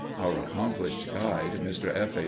Our accomplished guide, Mr. F. A.